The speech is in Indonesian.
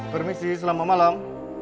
permisi selamat malam